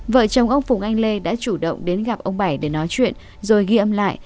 vợ chồng ông phùng anh lê đã chủ động đến gặp ông bảy để nói chuyện rồi ghi âm lại